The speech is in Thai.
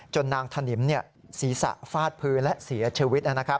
นางถนิมศีรษะฟาดพื้นและเสียชีวิต